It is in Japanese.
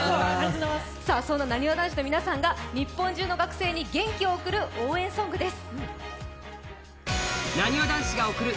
そんな、なにわ男子の皆さんが日本中の学生たちに贈る応援ソングです。